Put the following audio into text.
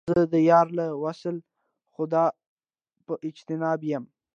زه د یار له وصله خود په اجتناب یم